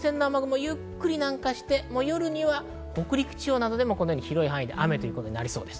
前線の雨雲はゆっくり南下して、夜には北陸地方などでも広い範囲で雨ということになりそうです。